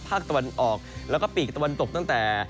ภาคตะวันออกแล้วก็ปีกตะวันตกตั้งแต่